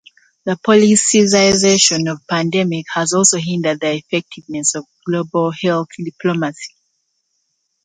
The politicization of the pandemic has also hindered the effectiveness of global health diplomacy.